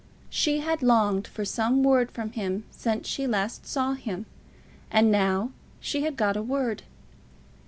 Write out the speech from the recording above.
She had longed for some word from him since she last saw him; and now she had got a word.